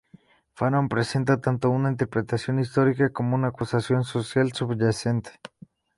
Fanon presenta tanto una interpretación histórica como una acusación social subyacente.